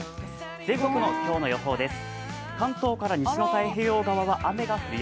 全国の今日の予報です。